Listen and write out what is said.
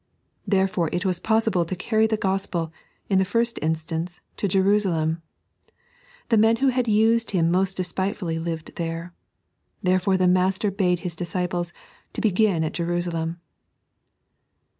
Therefore it was possible to carry the Gospel, in the first instance, to Jerusalem. The men who had used H'"* most despitefuUy lived there, therefore the Master bade His disciples "to b^in at Jerusalem."